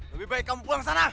lebih baik kamu pulang ke sana